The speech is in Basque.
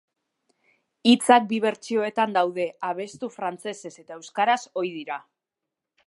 Hitzak bi bertsioetan daude abestu frantsesez eta euskaraz ohi dira.